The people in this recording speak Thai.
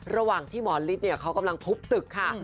ระหว่างที่หมอฤทธิ์เขากำลังทุบตึกค่ะ